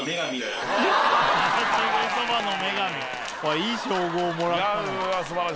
いい称号をもらった。